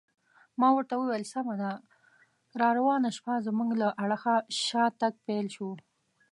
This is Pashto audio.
ما ورته وویل: سمه ده، راروانه شپه زموږ له اړخه شاتګ پیل شو.